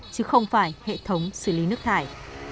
chứ không phải hệ thống xử lý nước thải